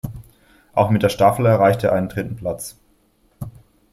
Auch mit der Staffel erreichte er einen dritten Platz.